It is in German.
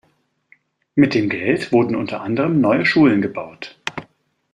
Mit dem Geld wurden unter anderem neue Schulen gebaut.